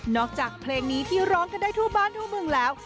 อกจากเพลงนี้ที่ร้องกันได้ทั่วบ้านทั่วเมืองแล้ว